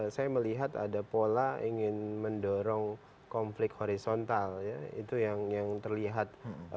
saya melihat ada pola ingin mendorong konflik horizontal ya itu yang terlihat